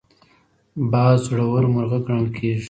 باز زړور مرغه ګڼل کېږي